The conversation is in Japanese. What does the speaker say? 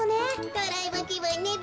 ドライブきぶんねべ。